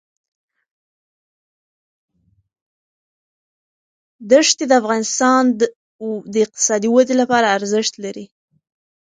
ښتې د افغانستان د اقتصادي ودې لپاره ارزښت لري.